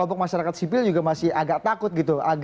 masyarakat sipil juga masih agak takut